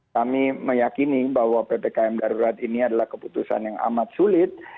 kami meyakini bahwa ppkm darurat ini adalah keputusan yang amat sulit